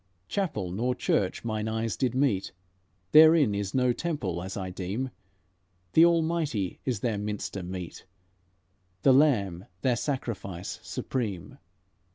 Chapel nor church mine eyes did meet; Therein is no temple as I deem; The Almighty is their minster meet, The Lamb their sacrifice supreme.